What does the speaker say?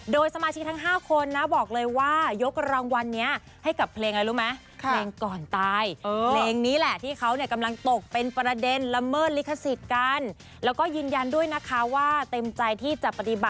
โดยสมาชิกทั้ง๕คนนะบอกเลยว่า